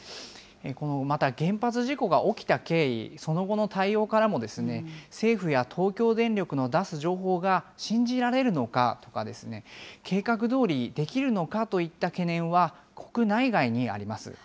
また原発事故が起きた経緯、その後の対応からも、政府や東京電力の出す情報が信じられるのかとかですとか、計画どおりできるのかといった懸念は国内外にあります。